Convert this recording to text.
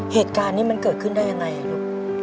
เหตุการณ์นี้มันเกิดขึ้นได้ยังไงลูก